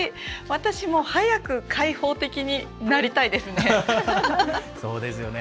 私も早く開放的になりたいですね。